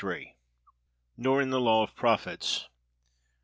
—Nor in the law of Profits.